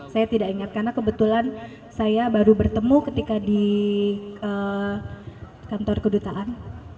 saya tidak ingat karena kebetulan saya baru bertemu ketika di kantor kedutaan